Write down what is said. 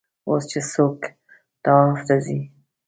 اوس چې څوک طواف ته ځي.